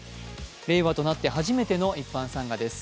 令和となって初めての一般参賀です。